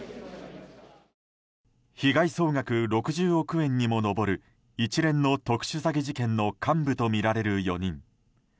被害総額６０億円にも上る一連の特殊詐欺事件の幹部とみられる４人。